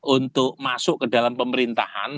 untuk masuk ke dalam pemerintahan